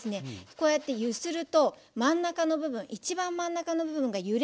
こうやって揺すると真ん中の部分一番真ん中の部分が揺れない。